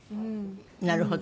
なるほど。